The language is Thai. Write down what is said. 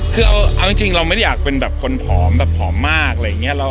คือเอาจริงเราไม่ได้อยากเป็นแบบคนผอมแบบผอมมากอะไรอย่างนี้